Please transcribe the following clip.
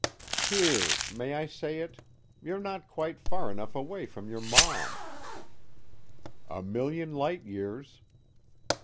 "Here may I say it? you're not quite far enough away from your Mom." "A million light years."